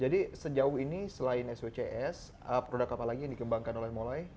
jadi sejauh ini selain swcs produk apa lagi yang dikembangkan oleh molai